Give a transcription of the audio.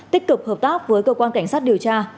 tích cực hợp tác với cơ quan cảnh sát điều tra